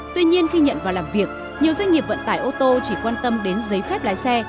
tuy nhiên khi nhận vào làm việc nhiều doanh nghiệp vận tải ô tô chỉ quan tâm đến giấy phép lái xe